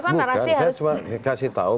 bukan saya kasih tahu